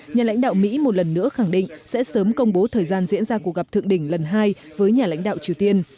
nhà lãnh đạo mỹ một lần nữa khẳng định sẽ sớm công bố thời gian diễn ra cuộc gặp thượng đỉnh lần hai với nhà lãnh đạo triều tiên